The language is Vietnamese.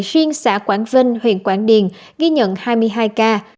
riêng xã quảng vinh huyện quảng điền ghi nhận hai mươi hai ca